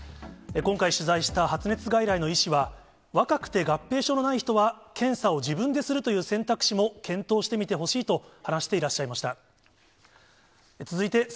今回、取材した発熱外来の医師は、若くて合併症のない人は、検査を自分でするという選択肢も検討してみてほしいと話していらっしゃいました。